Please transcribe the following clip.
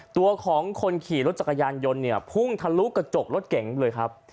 ตัวของคนขี่รถจักรยานยนต์เนี่ยพุ่งทะลุกระจกรถเก๋งเลยครับ